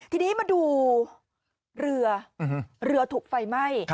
ทีนี้มาดูเรือเรือถูกไฟไหม้